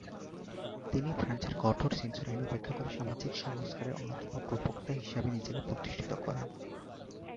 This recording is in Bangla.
তিনি ফ্রান্সের কঠোর সেন্সর আইন উপেক্ষা করে সামাজিক সংস্কারের অন্যতম প্রবক্তা হিসেবে নিজেকে প্রতিষ্ঠিত করেন।